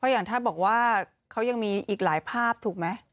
อย่างถ้าบอกว่าเขายังมีอีกหลายภาพถูกไหม